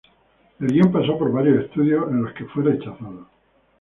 El guion pasó por varios estudios en los que fue rechazado.